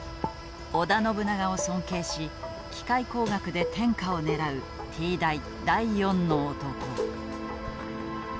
織田信長を尊敬し機械工学で天下を狙うＴ大第４の男。